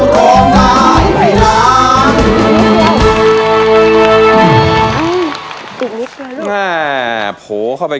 ได้ครับ